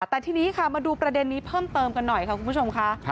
แต่ทีนี้ค่ะมาดูประเด็นนี้เพิ่มเติมกันหน่อยค่ะคุณผู้ชมค่ะ